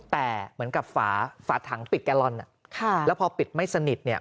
แต่เหมือนกับฝาฝาถังปิดแกลลอนแล้วพอปิดไม่สนิทเนี่ย